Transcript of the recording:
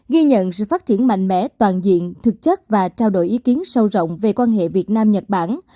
ghi nhận sự phát triển mạnh mẽ toàn diện thực chất và trao đổi ý kiến sâu rộng về quan hệ việt nam nhật bản